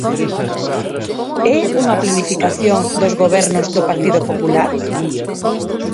¿É unha planificación dos gobernos do Partido Popular?